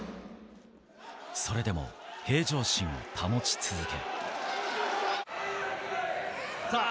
それでも平常心を保ち続け。